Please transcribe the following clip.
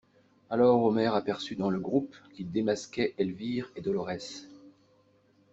Alors Omer aperçut dans le groupe qu'ils démasquaient Elvire et Dolorès.